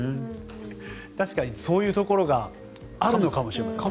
確かにそういうところがあるのかもしれません。